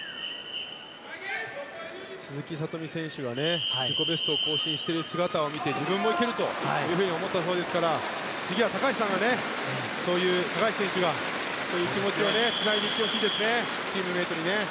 鈴木聡美選手が自己ベストを更新している姿を見て自分もいけると思ったそうですから次は高橋選手がそういう気持ちでつないでいってほしいですねチームメートに。